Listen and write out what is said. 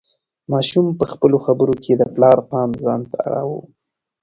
ماشوم په خپلو خبرو کې د پلار پام ځان ته اړاوه.